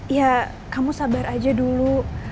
ya kamu sabar aja dulu